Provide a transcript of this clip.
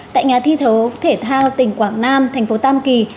tại nhà thi đấu thể thao tỉnh quảng nam thành phố tam kỳ